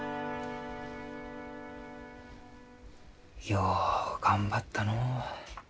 よう頑張ったのう。